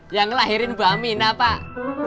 yang ngelahirin bu aminah pak